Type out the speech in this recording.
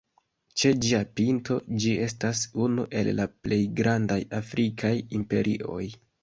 Ĉe ĝia pinto, ĝi estas unu el la plej grandaj afrikaj imperioj.